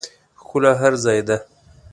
ښکلا هر ځای ده